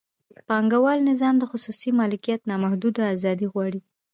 پانګوال نظام د خصوصي مالکیت نامحدوده ازادي غواړي.